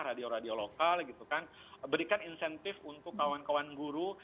radio radio lokal gitu kan berikan insentif untuk kawan kawan guru